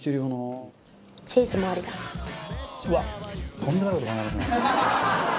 とんでもない事考えますね。